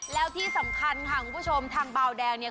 แล้วที่สำคัญค่ะคุณผู้ชมทางเบาแดงเนี่ย